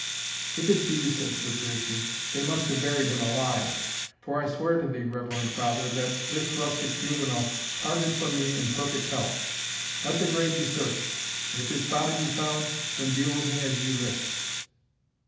"If it be," said Sir Piercie, "they must have buried him alive; for I swear to thee, reverend father, that this rustic juvenal parted from me in perfect health. Let the grave be searched, and if his body be found, then deal with me as ye list."